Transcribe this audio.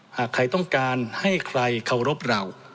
หากใครต้องการให้ใครเคารพเรา